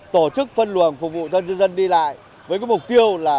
tổ chức phân luồng phục vụ thân dân dân đi lại với cái mục tiêu là